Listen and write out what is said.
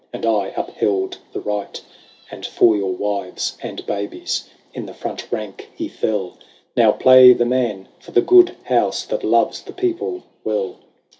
And aye upheld the right : And for your wives and babies In the front rank he fell. Now play the men for the good house That loves the people well